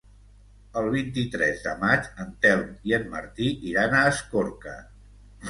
El vint-i-tres de maig en Telm i en Martí iran a Escorca.